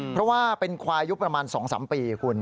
เพราะว่าเป็นควายอายุประมาณ๒๓ปีคุณ